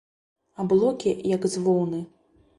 Аблокі, як з воўны.